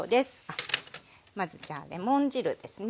あっまずじゃあレモン汁ですね。